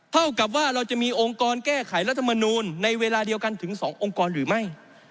เท่ากับว่าเราจะมีองค์กรแก้ไขรัฐมนูลในเวลาเดียวกันถึง๒องค์กรหรือไม่